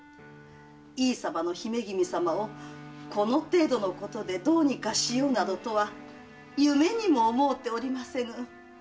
井伊様の姫君様をこの程度のことでどうにかしようなどと夢にも思うておりませぬ。